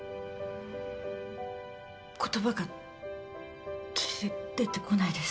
言葉が出てこないです。